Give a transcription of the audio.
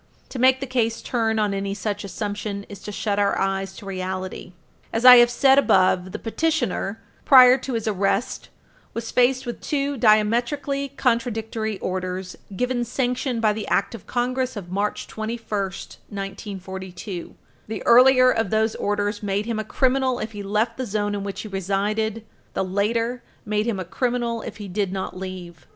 To make the case turn on any such assumption is to shut our eyes to reality. As I have said above, the petitioner, prior to his arrest, was faced with two diametrically contradictory orders given sanction by the Act of Congress of March 21, 1942. The earlier of those orders made him a criminal if he left the zone in which he resided; the later made him a criminal if he did not leave.